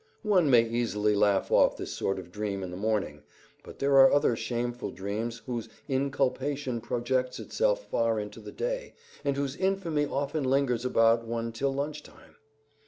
One may easily laugh off this sort of dream in the morning, but there are other shameful dreams whose inculpation projects itself far into the day, and whose infamy often lingers about one till lunch time.